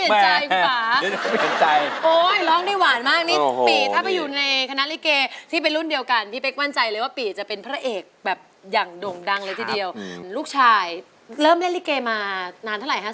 ก็ไม่รู้เห็นว่าจะจูบเดี๋ยวเขาเปลี่ยนใจอีกป่ะ